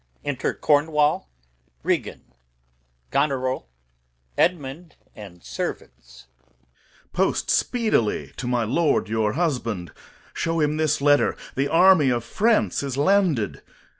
Enter Cornwall, Regan, Goneril, [Edmund the] Bastard, and Servants. Corn. [to Goneril] Post speedily to my lord your husband, show him this letter. The army of France is landed.